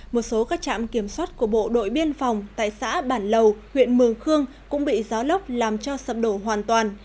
một số các trạm kiểm soát của bộ đội biên phòng tại xã bản lầu huyện mường khương cũng bị gió lốc làm cho sập đổ hoàn toàn